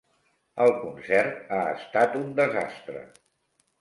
El concert ha estat un desastre.